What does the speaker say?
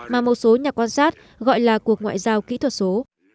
mà một số nhà quan sát gọi là cuộc ngoại giao kỹ thuật số